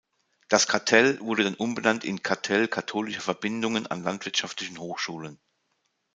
Das Cartell wurde dann umbenannt in Cartell katholischer Verbindungen an Landwirtschaftlichen Hochschulen.